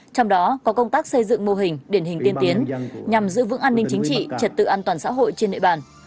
trong đó có công tác xây dựng mô hình điển hình tiên tiến nhằm giữ vững an ninh chính trị trật tự an toàn xã hội trên địa bàn